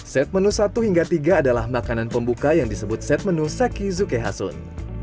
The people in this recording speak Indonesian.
set menu satu hingga tiga adalah makanan pembuka yang disebut set menu saki zuke hasun